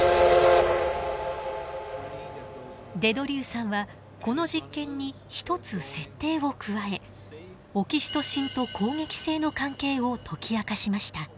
デ・ドリューさんはこの実験に１つ設定を加えオキシトシンと攻撃性の関係を解き明かしました。